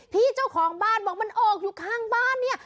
เจ้าของบ้านบอกมันออกอยู่ข้างบ้านเนี่ย